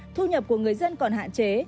thu nhập của người dân còn hạn chế